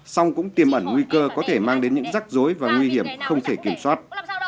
song cũng tiềm ẩn nguy cơ có thể mang đến những rắc rối và nguy hiểm không thể kiểm soát